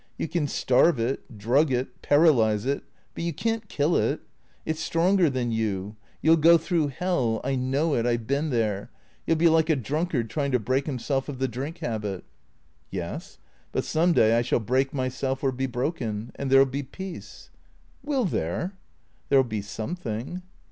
You can starve it, drug it, paralyze it, but you can't kill it. It 's stronger than you. You '11 go through hell — I know it, I 've been there — you '11 be like a drunkard trying to break himself of the drink habit." " Yes. But some day I shall break myself, or be broken ; and there '11 be peace." " Will there !"" There '11 be something."